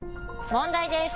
問題です！